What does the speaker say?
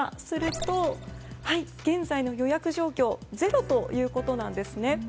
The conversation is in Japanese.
すると、現在の予約状況ゼロということです。